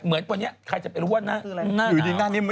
เหมือนเป็นตอนนี้ใครจะไปรู้ว่าหน้านาว